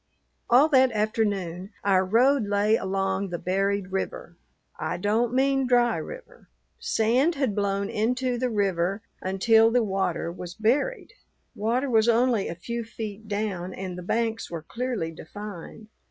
All that afternoon our road lay along the buried river. I don't mean dry river. Sand had blown into the river until the water was buried. Water was only a few feet down, and the banks were clearly defined.